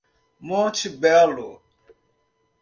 Monte Belo